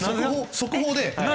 速報です。